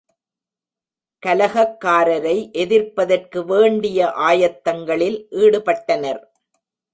கலகக்காரரை எதிர்ப்பதற்கு வேண்டிய ஆயத்தங்களில் ஈடுபட்டனர்.